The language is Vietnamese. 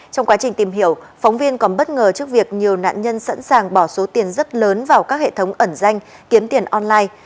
trong quá trình tìm hiểu phóng viên còn bất ngờ trước việc nhiều nạn nhân sẵn sàng bỏ số tiền rất lớn vào các hệ thống ẩn danh kiếm tiền online